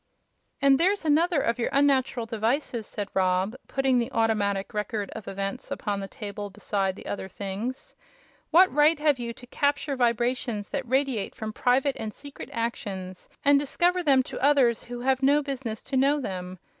"And there's another of your unnatural devices," said Rob, putting the Automatic Record of Events upon the table beside the other things. "What right have you to capture vibrations that radiate from private and secret actions and discover them to others who have no business to know them?